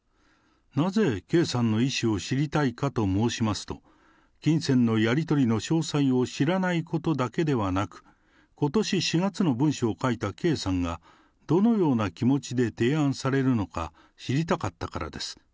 なぜ圭さんの意思を知りたいかと申しますと、金銭のやり取りの詳細を知らないことだけではなく、ことし４月の文書を書いた圭さんが、どのような気持ちで提案されるのか、知りたかったからです。